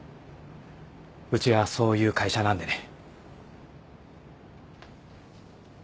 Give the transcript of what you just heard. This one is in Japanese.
うちはそういう会社なんでね。